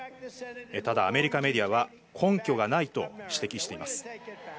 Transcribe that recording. ただアメリカメディアは根拠がないと指摘しています。